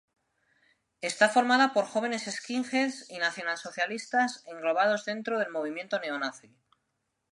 Está formada por jóvenes skinheads y nacional-socialistas englobados dentro del movimiento neonazi.